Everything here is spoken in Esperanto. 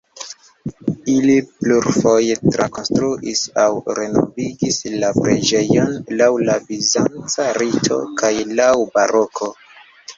Ili plurfoje trakonstruis aŭ renovigis la preĝejon laŭ la bizanca rito kaj laŭ baroko.